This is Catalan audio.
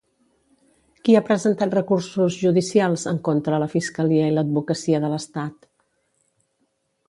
Qui ha presentat recursos judicials en contra la Fiscalia i l'Advocacia de l'Estat?